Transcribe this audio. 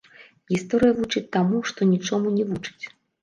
Гісторыя вучыць таму, што нічому не вучыць.